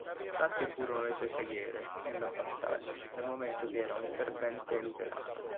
Tante furono le sue preghiere nella battaglia, dal momento che era un fervente luterano.